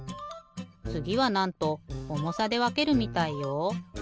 つぎはなんと重さでわけるみたいよ。